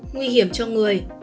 nguy hiểm cho người